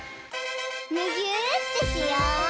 むぎゅーってしよう！